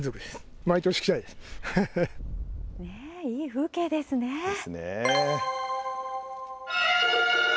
いい風景ですね。